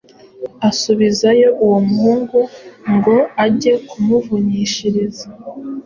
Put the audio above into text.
Asubizayo uwo muhungu ngo ajye kumuvunyishiriza.